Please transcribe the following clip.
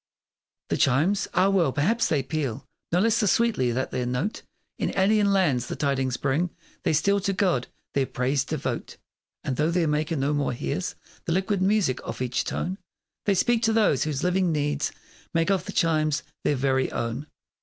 The chimes? Ah, well, perhaps they peal No less the sweetly that their note In alien lands the tidings bring; They still to God their praise devote, And though their maker no more hears The liquid music of each tone, They speak to those whose living needs Make of the chimes their very own.